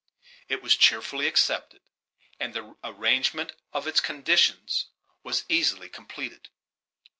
It was cheerfully accepted, and the arrangement of its conditions was easily completed.